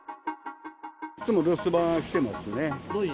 いつも留守番してますね。